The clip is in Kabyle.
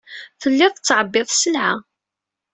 Telliḍ tettɛebbiḍ sselɛa.